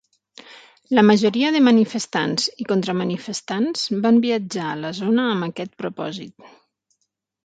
La majoria de manifestants i contra-manifestants van viatjar a la zona amb aquest propòsit.